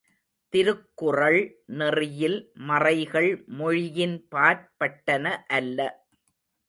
திருக்குறள் நெறியில் மறைகள் மொழியின் பாற் பட்டன அல்ல.